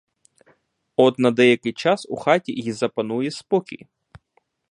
От на деякий час у хаті й запанує спокій.